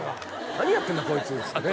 何やってんだこいつっつってね